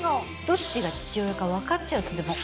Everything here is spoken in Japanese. どっちが父親か分かっちゃうとでも。